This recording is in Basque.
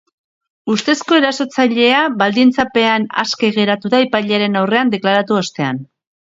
Ustezko erasotzailea baldintzapean aske geratu da epailearen aurrean deklaratu ostean.